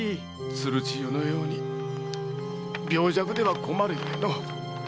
鶴千代のように病弱では困るゆえの。